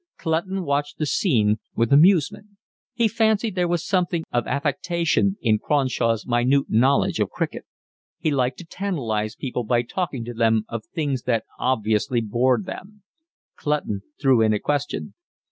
Clutton watched the scene with amusement. He fancied there was something of affectation in Cronshaw's minute knowledge of cricket; he liked to tantalise people by talking to them of things that obviously bored them; Clutton threw in a question.